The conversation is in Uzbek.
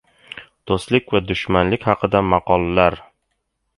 Do‘stlik va dushmanlik haqida maqollar.